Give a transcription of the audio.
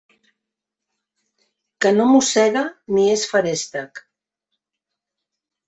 Que no mossega ni és feréstec.